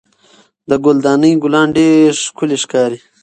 د ګل دانۍ ګلان ډېر ښکلي ښکاري.